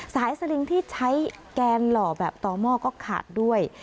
สลิงที่ใช้แกนหล่อแบบต่อหม้อก็ขาดด้วย